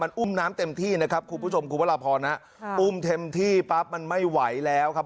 อุ้มน้ำเต็มที่นะครับคุณผู้ชมคุณพระราพรนะฮะอุ้มเต็มที่ปั๊บมันไม่ไหวแล้วครับ